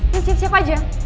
lo siap siap aja